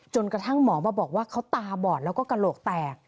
กระทั่งหมอมาบอกว่าเขาตาบอดแล้วก็กระโหลกแตก